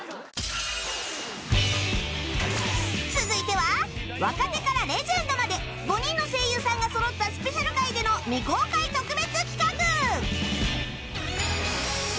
続いては若手からレジェンドまで５人の声優さんがそろったスペシャル回での未公開特別企画！